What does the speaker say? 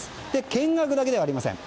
見学だけではありません。